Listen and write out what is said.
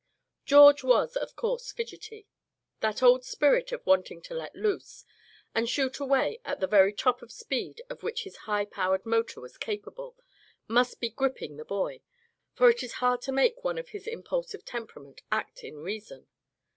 George was of course fidgety. That old spirit of wanting to let loose, and shoot away at the very top of speed of which his high powered motor was capable, must be gripping the boy, for it is hard to make one of his impulsive temperament act in reason.